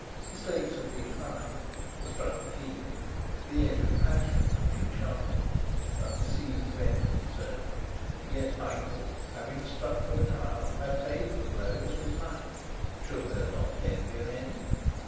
The stakes had been high, the struggle keen; the edge of passion had been sharpened, and the seeds of enmity sown. Yet Michael, having struck for the crown, had paid for the blow with his life: should there not then be an end?